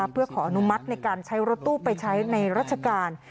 เพื่อขออนุมัติในการใช้รถตู้ไปใช้ในราชการ